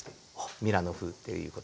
ミラノ風っていうことで。